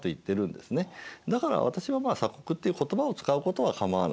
だから私はまあ「鎖国」っていう言葉を使うことはかまわないと。